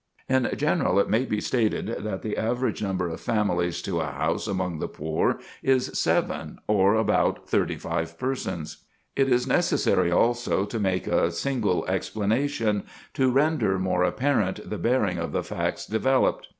In general, it may be stated that the average number of families to a house among the poor is 7, or about 35 persons. [Sidenote: Avoidable and Inevitable Disease] It is necessary also to make a single explanation, to render more apparent the bearing of the facts developed.